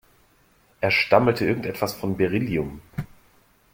Er stammelte irgendwas von Beryllium.